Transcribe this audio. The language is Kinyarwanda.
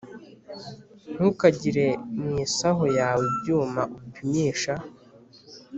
Ntukagire mu isaho yawe ibyuma upimisha